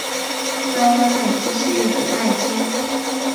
爪哇麦鸡是一种麦鸡。